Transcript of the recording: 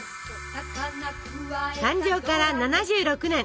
誕生から７６年！